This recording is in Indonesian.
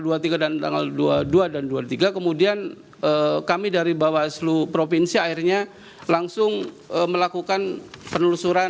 dan tanggal dua puluh dua dan dua puluh tiga kemudian kami dari bawaslu provinsi akhirnya langsung melakukan penelusuran